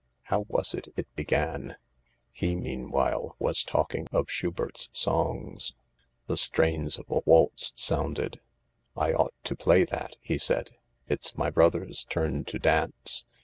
How was it it began ? He, meanwhile, was talking of Schubert's songs. The strains of a waltz sounded. " I ought to play that," he said, "it's my brother's turn to dance."